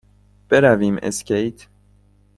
برویم اسکیت؟